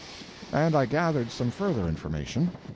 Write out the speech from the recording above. And I gathered some further information.